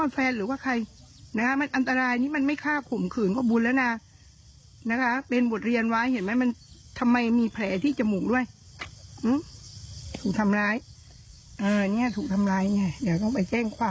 แล้วหนูเคยมาที่นี่เป็นไงแต่ไม่รู้ว่าจะมาถึงที่นี่